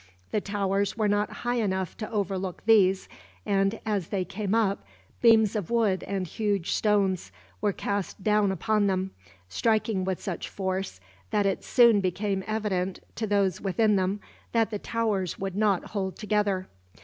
The towers were not high enough to overlook these and, as they came up, beams of wood and huge stones were cast down upon them; striking with such force that it soon became evident, to those within them, that the towers would not hold together.